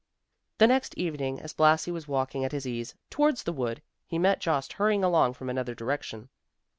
The next evening, as Blasi was walking at his ease, towards the wood, he met Jost hurrying along from another direction.